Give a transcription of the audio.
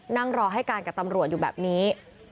นั่งรอให้การกับตำรวจอยู่แบบนี้